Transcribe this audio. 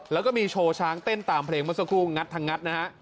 แล้วก็มีโชว์ช้างเต้นตามเพลงเมื่อสักครู่งัดทางงัดนะฮะ